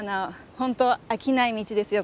本当飽きない道ですよ